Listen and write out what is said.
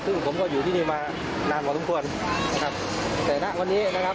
ซึ่งผมก็อยู่ที่นี่มานานพอสมควรนะครับแต่ณวันนี้นะครับ